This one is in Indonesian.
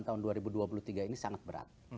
tahun dua ribu dua puluh tiga ini sangat berat